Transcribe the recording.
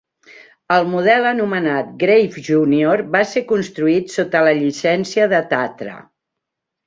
El model anomenat "Greif Junior" va ser construït sota la llicència de Tatra.